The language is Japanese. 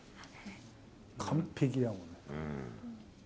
完璧だもん。